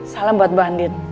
salam buat bu andien